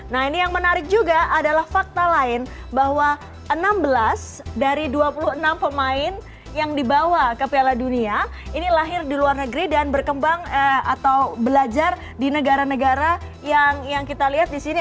nah ini yang menarik juga adalah fakta lain bahwa enam belas dari dua puluh enam pemain yang dibawa ke piala dunia ini lahir di luar negeri dan berkembang atau belajar di negara negara yang kita lihat di sini